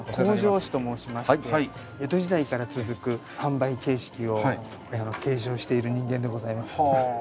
口上師と申しまして江戸時代から続く販売形式を継承している人間でございます。